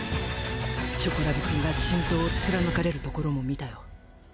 チョコラブくんが心臓を貫かれるところも見たよ。